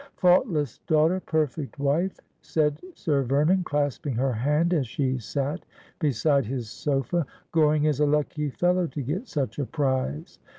' Faultless daughter, perfect wife,' said Sir Vernon, clasping her hand as she sat beside his sofa ;' Goring is a lucky fellow to get such a prize.'